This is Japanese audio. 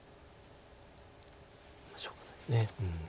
しょうがないです。